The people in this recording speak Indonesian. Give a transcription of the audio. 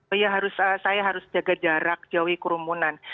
oh ya saya harus jaga jarak jauhi kerumunan